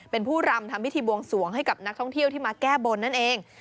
เป็นผู้รำทำพิธีบวงสวงให้กับนักท่องเที่ยวที่มาแก้บนนั่นเอง